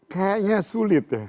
kayaknya sulit ya